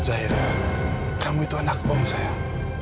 zairah kamu itu anak om sayang